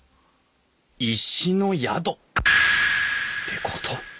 石の宿ってこと？